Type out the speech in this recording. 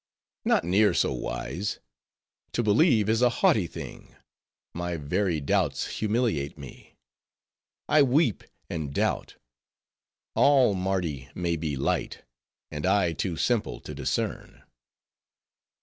"Not near so wise. To believe is a haughty thing; my very doubts humiliate me. I weep and doubt; all Mardi may be light; and I too simple to discern."